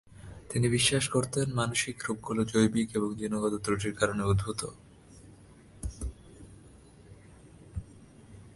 তিনি বিশ্বাস করতেন মানুসিক রোগগুলো জৈবিক এবং জিনগত ত্রুটির কারণে উদ্ভূত।